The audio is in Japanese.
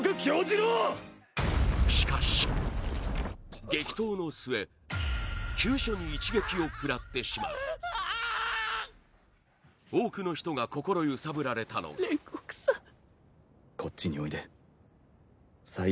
しかし激闘の末急所に一撃を食らってしまう多くの人が心揺さぶられたのが炭治郎：煉獄さん。